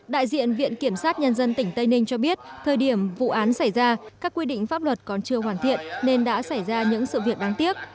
đại diện viện kiểm sát nhân dân tỉnh tây ninh cho biết thời điểm vụ án xảy ra các quy định pháp luật còn chưa hoàn thiện nên đã xảy ra những sự việc đáng tiếc